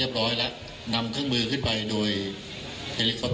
อีก๔โพรงเนี่ยตอนนี้ยังทำงานกันอยู่แล้วไม่มีสัญญาณที่จะรายงานผลกลับมา